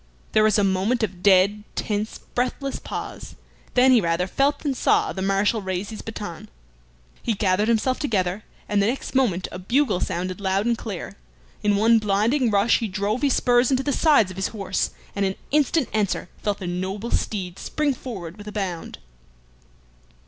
There was a moment of dead, tense, breathless pause, then he rather felt than saw the Marshal raise his baton. He gathered himself together, and the next moment a bugle sounded loud and clear. In one blinding rush he drove his spurs into the sides of his horse, and in instant answer felt the noble steed spring forward with a bound.